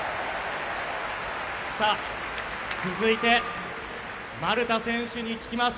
続いて、丸田選手に聞きます。